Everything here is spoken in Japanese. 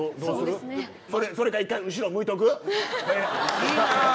それか１回後ろ向いとく。